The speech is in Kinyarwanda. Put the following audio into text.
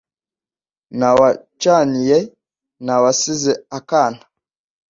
Nta wacaniye, nta wasize akana,